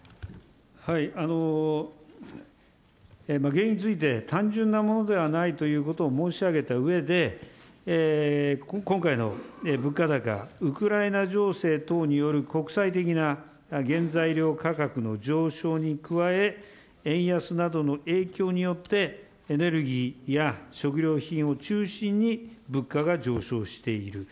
原因について単純なものではないということを申し上げたうえで、今回の物価高、ウクライナ情勢等による国際的な原材料価格の上昇に加え、円安などの影響によって、エネルギーや食料品を中心に物価が上昇している。